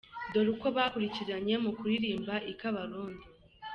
Dore uko bakurikiranye mu kuririmba i Kabarondo :.